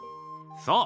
そう！